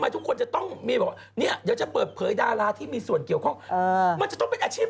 มันก็จะต้องแบบว่าเดี๋ยวจะต้องมีการเปิดเผยอีก